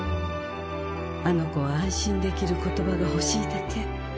「あの子は安心できる言葉がほしいだけ」